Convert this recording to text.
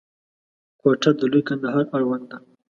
کوټه د لوی کندهار اړوند ده.